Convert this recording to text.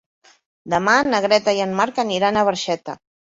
Demà na Greta i en Marc aniran a Barxeta.